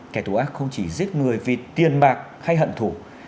kẻ thù ác không chỉ giết người vì tiền bạc hay hận thủ